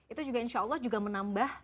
itu juga insya allah juga menambah